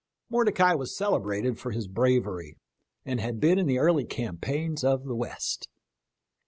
Mordecai was celebrated for his bravery, and had been in the early campaigns of the West."